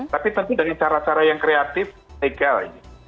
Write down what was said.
tapi tentu dengan cara cara yang kreatif legal